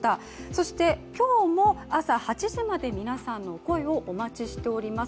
そして今日も朝８時まで皆さんの声をお待ちしております。